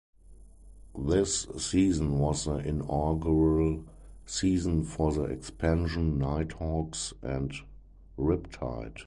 This season was the inaugural season for the expansion Knighthawks and Riptide.